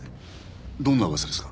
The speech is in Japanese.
どんな噂ですか？